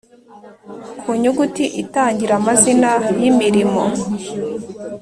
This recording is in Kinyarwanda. Ku nyuguti itangira amazina y’imirimo